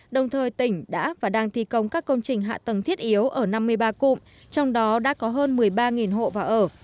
đồng thời tỉnh đã và đang thi công các công trình hạ tầng thiết yếu ở năm mươi ba cụm trong đó đã có hơn một mươi ba hộ và ở